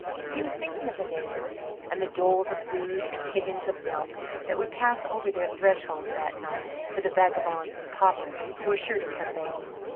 He was thinking of the neighbours, and the doles of food and piggins of milk that would pass over their thresholds that night to the vagabonds and paupers who were sure to come begging.